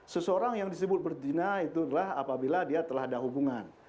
seseorang yang disebut berjina itu adalah apabila dia telah ada hubungan